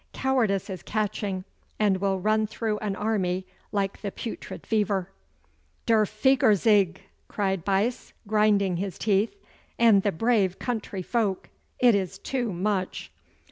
Cowardice is catching and will run through an army like the putrid fever.' 'Der Feigherzige!' cried Buyse, grinding his teeth. 'And the brave country folk! It is too much.